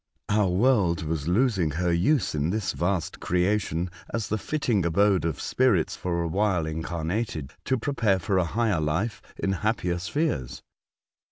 Our world was losing her use in this vast creation, as the fitting abode of spirits for awhile incarnated to prepare for a higher life in happier spheres.